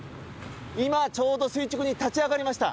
今、ちょうど垂直に立ち上がりました。